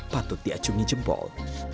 patut diacungi jempol